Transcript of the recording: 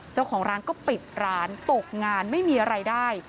เจ้าของร้านก็ปิดร้านตกงานไม่มีอะไรได้